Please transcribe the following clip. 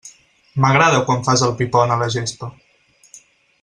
M'agrada quan fas el pi pont a la gespa.